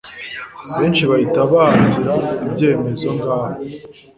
benshi bahita bahatira, ibyemezo, ngaho